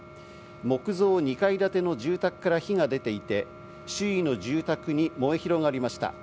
木造２階建ての住宅から火が出ていて、周囲の住宅に燃え広がりました。